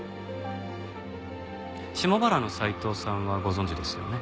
下原の斉藤さんはご存じですよね？